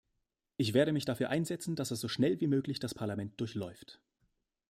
Ich werde mich dafür einsetzen, dass er so schnell wie möglich das Parlament durchläuft.